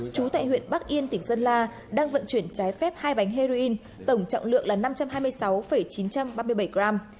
chú tại huyện bắc yên tỉnh sơn la đang vận chuyển trái phép hai bánh heroin tổng trọng lượng là năm trăm hai mươi sáu chín trăm ba mươi bảy gram